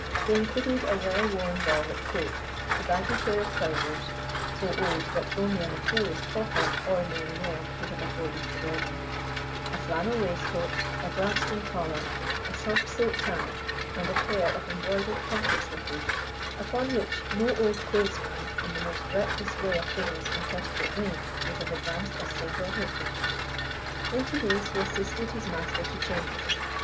They included a well worn velvet coat, a baggy pair of trousers so old that only a notorious pauper or a millionaire could have afforded to wear them a flannel waistcoat, a Gladstone collar, a soft silk tie, and a pair of embroidered carpet slippers upon which no old clothes man in the most reckless way of business in Petticoat Lane would have advanced a single half penny. Into these he assisted his master to change.